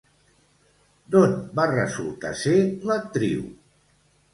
D'on va resultar ser l'actriu?